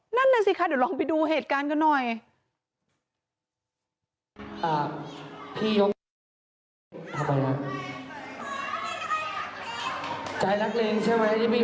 นั่นน่ะสิคะเดี๋ยวลองไปดูเหตุการณ์กันหน่อย